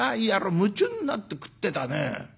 夢中になって食ってたね。